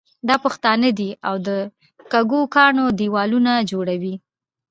دا پښتانه دي او د کږو کاڼو دېوالونه جوړوي.